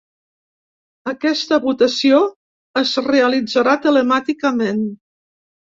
Aquesta votació es realitzarà telemàticament.